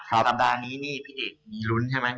สัปดาห์นี้นี่พี่เอกมีลุ้นใช่ไหม